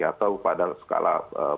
atau pada skala